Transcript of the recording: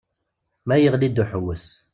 Ma yeɣli-d uḥewwes.